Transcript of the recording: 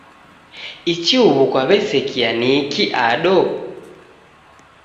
Ichi huw'u kwaw'esekia niki ado.